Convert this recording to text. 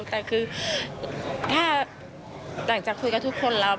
แต่คือถ้าหลังจากคุยกับทุกคนแล้ว